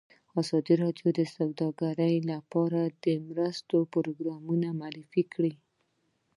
ازادي راډیو د سوداګري لپاره د مرستو پروګرامونه معرفي کړي.